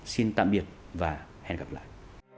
xin chào và hẹn gặp lại